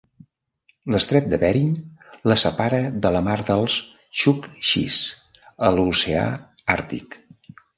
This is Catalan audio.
L'estret de Bering la separa de la mar dels Txuktxis, a l'oceà Àrtic.